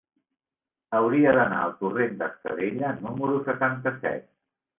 Hauria d'anar al torrent d'Estadella número setanta-set.